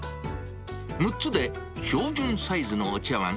６つで標準サイズのお茶わん